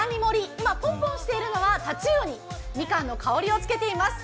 今、ぽんぽんしているのはタチウオにみかんの香りをつけています。